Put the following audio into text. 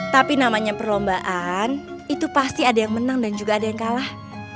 tapi namanya perlombaan itu pasti ada yang menang dan juga ada yang kalah